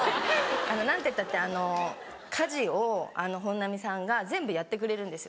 あの何てったって家事を本並さんが全部やってくれるんですよ。